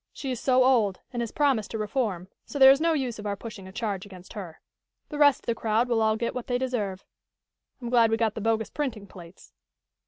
She is so old, and has promised to reform, so there is no use of our pushing a charge against her. The rest of the crowd will all get what they deserve. I'm glad we got the bogus printing plates."